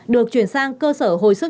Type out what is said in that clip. được chuyển sang cơ sở hồi sức tích cực